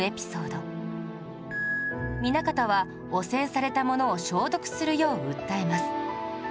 南方は汚染されたものを消毒するよう訴えます